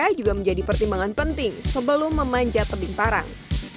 juga menjadi pertimbangan penting sebelum memanjat tebing parang